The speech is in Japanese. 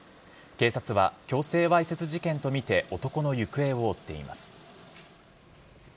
警察は強制わいせつ事件とみて男の行方を追っています。